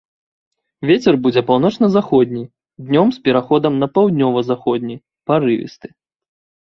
Вецер будзе паўночна-заходні, днём з пераходам на паўднёва-заходні, парывісты.